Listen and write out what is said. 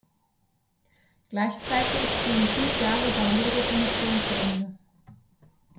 Gleichzeitig gehen fünf Jahre Barroso-Kommission zu Ende.